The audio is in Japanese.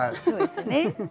そうですね。